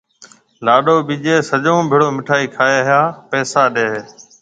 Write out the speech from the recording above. لاڏو ٻيجيَ سڊوئون ڀيڙو مِٺائِي کائيَ ھيَََ ھان پيسا ڏَي ھيََََ